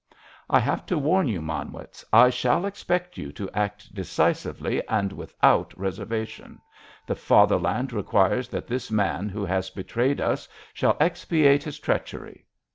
"I have to warn you, Manwitz, I shall expect you to act decisively and without reservation! The Fatherland requires that this man who has betrayed us shall expiate his treachery!